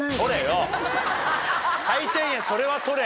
最低限それは取れ。